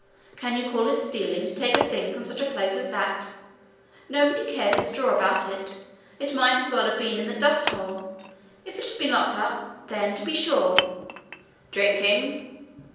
Can you call it stealing to take a thing from such a place as that? Nobody cared a straw about it. It might as well have been in the dust hole! If it had been locked up then, to be sure!' 'Drinking!'